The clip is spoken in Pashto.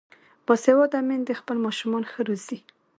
باسواده میندې خپل ماشومان ښه روزي.